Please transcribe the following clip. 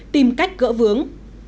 tìm cách gỡ vướng